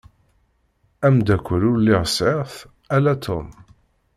Amdakel ur lliɣ sεiɣ-t ala Tom.